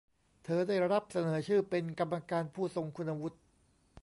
เธอได้รับเสนอชื่อเป็นกรรมการผู้ทรงคุณวุฒิ